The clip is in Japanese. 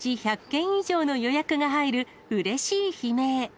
１日１００件以上の予約が入るうれしい悲鳴。